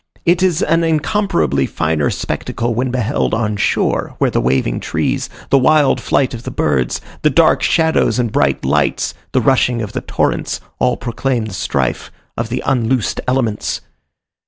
It is an incomparably finer spectacle when beheld on shore, where the waving trees, the wild flight of the birds, the dark shadows and bright lights, the rushing of the torrents all proclaim the strife of the unloosed elements.